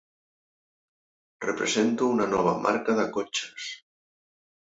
Represento una nova marca de cotxes.